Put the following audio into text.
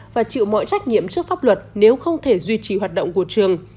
và chịu mọi trách nhiệm trước pháp luật nếu không thể duy trì hoạt động của trường